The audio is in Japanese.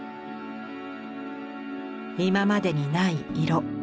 今までにない色